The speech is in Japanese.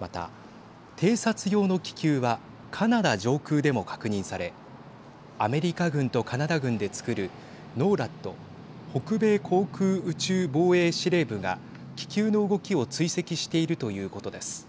また、偵察用の気球はカナダ上空でも確認されアメリカ軍とカナダ軍でつくるＮＯＲＡＤ＝北米航空宇宙防衛司令部が気球の動きを追跡しているということです。